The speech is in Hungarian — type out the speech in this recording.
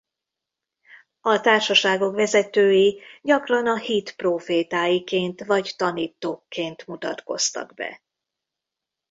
A társaságok vezetői gyakran a hit prófétáiként vagy tanítókként mutatkoztak be.